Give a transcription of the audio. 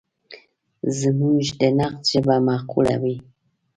زموږ د نقد ژبه معقوله وي.